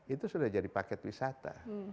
itu sudah jadi paket wisata